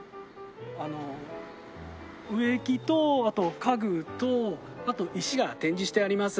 あの植木とあと家具とあと石が展示してあります。